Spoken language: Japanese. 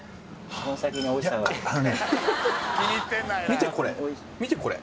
見てこれ見てこれ。